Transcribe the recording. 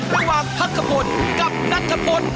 ระหว่างพักขะพลกับนักขะพล